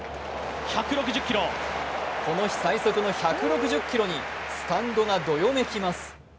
この日最速の１６０キロにスタンドがどよめきます。